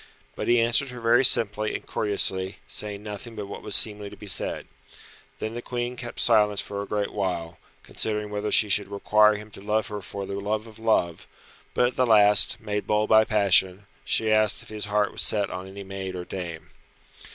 But he answered her very simply and courteously, saying nothing but what was seemly to be said. Then the Queen kept silence for a great while, considering whether she should require him to love her for the love of love; but at the last, made bold by passion, she asked if his heart was set on any maid or dame.